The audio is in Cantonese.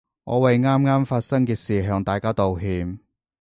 我為啱啱發生嘅事向大家道歉